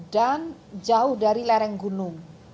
jauh dari lereng gunung